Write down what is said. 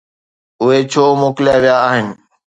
اهي ڇو موڪليا ويا آهن؟